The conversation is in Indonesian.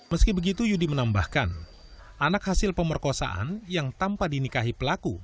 meski begitu yudi menambahkan anak hasil pemerkosaan yang tanpa dinikahi pelaku